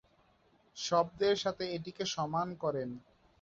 শব্দের সাথে এটিকে সমান করেন।